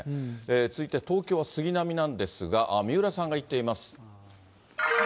続いて東京は杉並なんですが、三浦さんが行っています。